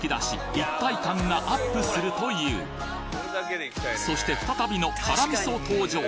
一体感がアップするというそして再びの辛味噌登場！